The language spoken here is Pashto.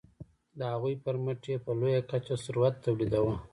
د هغوی پرمټ یې په لویه کچه ثروت تولیداوه.